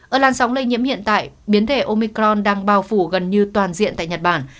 ở làn sóng lây nhiễm hiện tại biến thể omicron đang bao phủ gần như toàn diện tại nhật bản